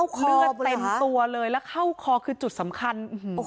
เลือดเต็มตัวเลยแล้วเข้าคอคือจุดสำคัญ